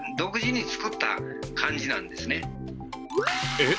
えっ？